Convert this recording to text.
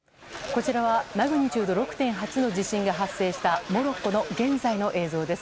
こちらはマグニチュード６．８の地震が発生したモロッコの現在の映像です。